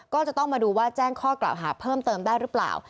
ก็จะต้องมาดูว่าแจ้งข้อกล่าวหาเพิ่มเติมได้หรือเปล่า